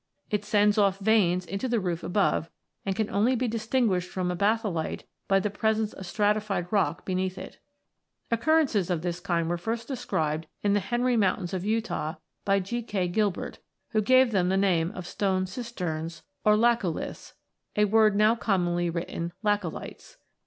It sends off veins into the roof above, and can only be distinguished from a batholite by the presence of stratified rock beneath it. Occurrences of this kind were first described in the Henry Mountains of Utah by G. K. Gilbert, who gave them the name of " stone cisterns " or laccoliths, a word now commonly written laccolites.